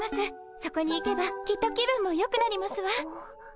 そこに行けばきっと気分もよくなりますわ。